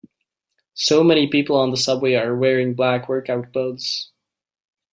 So many people on the subway are wearing black workout clothes.